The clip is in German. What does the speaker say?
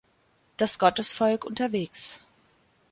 Das Gottesvolk unterwegs.